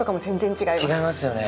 違いますよね。